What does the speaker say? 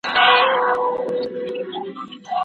وخت مدیریت زده کړئ.